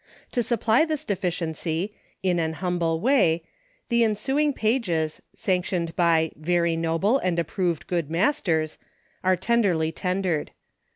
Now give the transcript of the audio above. To supply this deficiency, in an humble way, the ensuing pages, sanctioned by "very noble and approved good masters," are ten derly tendered.